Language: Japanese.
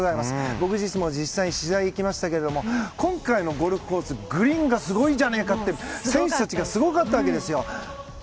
僕、実際に取材に行きましたが今回のゴルフコース、グリーンがすごいじゃないかって選手たちがすごかったわけですよ。